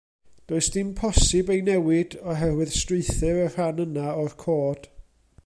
Does dim posib ei newid, oherwydd strwythur y rhan yna o'r cod.